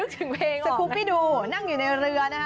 สกุปปี้ดูนั่งอยู่ในเรือนะฮะ